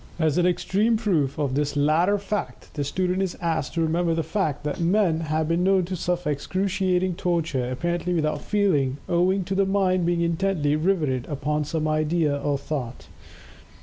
As an extreme proof of this latter fact, the student is asked to remember the fact that men have been known to suffer excruciating torture, apparently without feeling, owing to the mind being intently riveted upon some idea or thought.